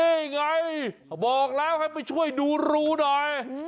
นี่ไงบอกแล้วให้ไปช่วยดูรูหน่อย